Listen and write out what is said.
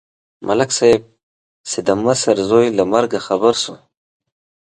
ملک صاحب چې د مشر زوی له مرګه خبر شو.